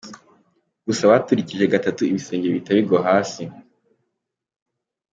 Gusa baturikije gatatu ibisenge bihita bigwa hasi.